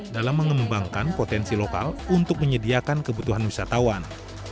dalam mengembangkan potensi lokal untuk menyediakan kebutuhan wisatawan